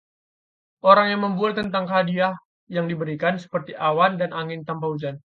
orang yang membual tentang hadiah yang tidak diberikan, seperti awan dan angin tanpa hujan